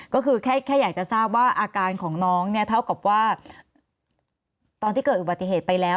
ก็คือแค่อยากจะทราบว่าอาการของน้องเนี่ยเท่ากับว่าตอนที่เกิดอุบัติเหตุไปแล้ว